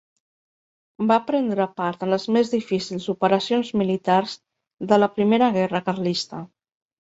Va prendre part en les més difícils operacions militars de la Primera Guerra Carlista.